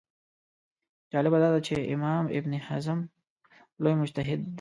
جالبه دا ده چې امام ابن حزم لوی مجتهد دی